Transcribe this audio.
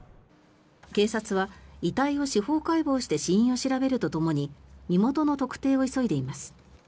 警察は遺体を司法解剖して死因を調べるとともに身元の特定を急いでいます。